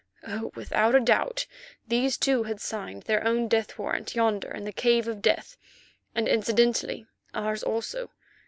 Oh! without a doubt these two had signed their own death warrant yonder in the Cave of Death, and incidentally ours also.